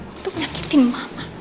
untuk menyakiti mama